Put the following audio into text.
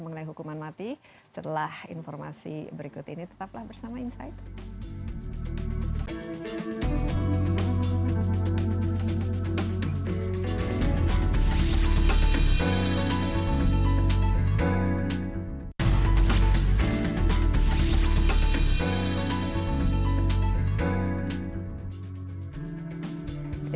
mengenai hukuman mati setelah informasi berikut ini tetaplah bersama insight